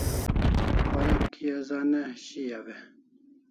Warek kia za ne shiau e?